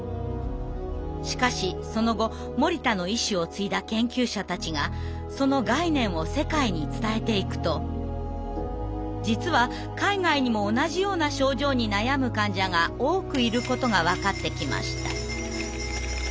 しかしその後森田の意志を継いだ研究者たちがその概念を世界に伝えていくと実は海外にも同じような症状に悩む患者が多くいることが分かってきました。